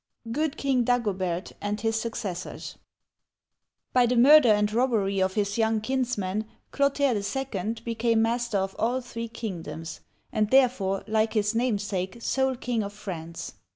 GOOD KING DAGOBERT AND HIS SUCCESSORS BY the murder and robbery of his young kinsmen, Clotaire II. became master of all three kingdoms, and therefore, like his namesake, sole king of France.